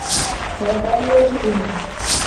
هذا يعجبني.